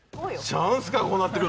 チャンスい